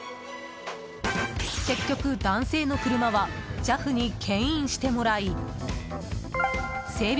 結局、男性の車はＪＡＦに牽引してもらい整備